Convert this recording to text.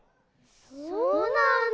そうなんだ。